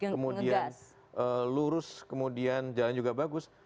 kemudian lurus kemudian jalan juga bagus